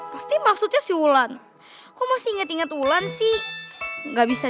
pasti maksudnya siulan kok masih inget inget ulan sih nggak bisa